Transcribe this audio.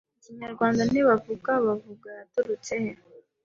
Ikinyarwanda Ntibavuga Bavuga yaturutse he